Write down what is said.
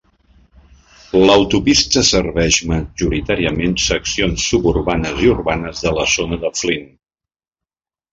L'autopista serveix majoritàriament seccions suburbanes i urbanes de la zona de Flint.